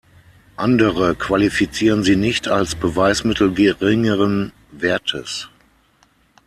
Andere qualifizieren sie nicht als Beweismittel geringeren Wertes.